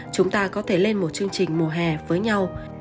chúng ta có thể lên một chương trình mùa hè với nhau